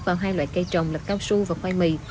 vào hai loại cây trồng là cao su và khoai mì